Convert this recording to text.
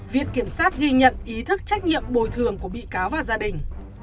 viện kiểm sát ghi nhận ý thức trách nhiệm bồi thường của bị cáo và gia đình